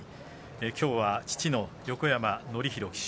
きょうは父の横山典弘騎手